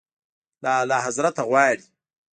له اعلیحضرت غواړي.